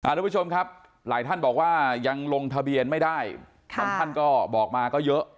ทุกผู้ชมครับหลายท่านบอกว่ายังลงทะเบียนไม่ได้บางท่านก็บอกมาก็เยอะ